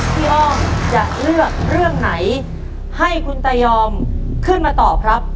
อ้อมจะเลือกเรื่องไหนให้คุณตายอมขึ้นมาตอบครับ